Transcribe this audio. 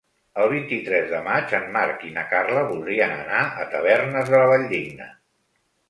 El vint-i-tres de maig en Marc i na Carla voldrien anar a Tavernes de la Valldigna.